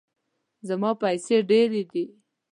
زما پیسې ډیرې دي